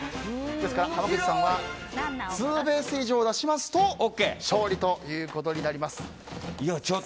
濱口さんはツーベース以上出しますと勝利ということになります。